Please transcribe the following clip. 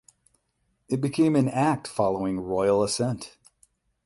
It became an Act following Royal Assent.